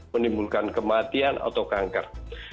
menimbulkan kematian atau kanker